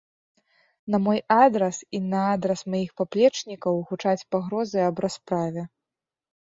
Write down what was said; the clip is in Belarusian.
На мой адрас і на адрас маіх паплечнікаў гучаць пагрозы аб расправе.